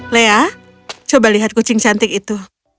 lea coba lihat kucing cantik itu